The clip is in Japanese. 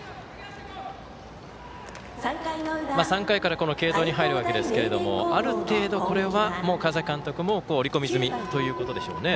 ３回から継投に入るわけですがある程度、これは川崎監督も織り込み済みということでしょうね。